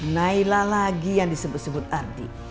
naila lagi yang disebut sebut ardi